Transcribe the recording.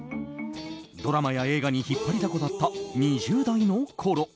ドラマや映画に引っ張りだこだった２０代のころ。